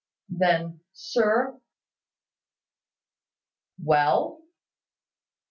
"Then, sir " "Well."